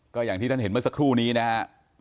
ก็อย่างที่ท่านเห็นเมื่อสักครู่นี้นะฮะ